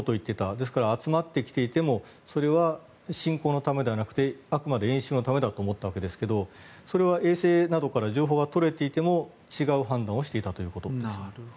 ですから、集まってきていてもそれは侵攻のためではなくてあくまで演習のためだと思ったわけですがそれは衛星などから情報が取れていても違う判断をしていたということです。